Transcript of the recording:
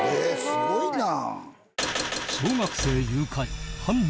すごいな。